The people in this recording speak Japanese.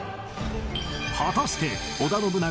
果たして織田信長